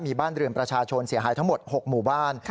มีบ้านเรือนประชาชนเสียหายทั้งหมด๖หมู่บ้าน